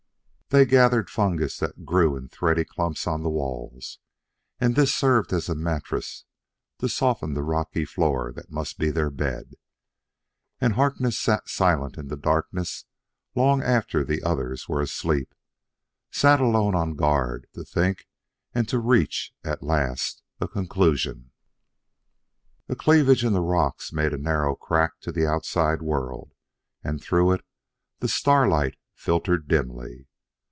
They gathered fungus that grew in thready clumps on the walls, and this served as a mattress to soften the rocky floor that must be their bed. And Harkness sat silent in the darkness long after the others were asleep sat alone on guard, to think and to reach, at last, a conclusion. A cleavage in the rocks made a narrow crack to the outside world, and through it the starlight filtered dimly.